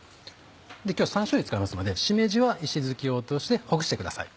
今日は３種類使いますのでしめじは石突きを落としてほぐしてください。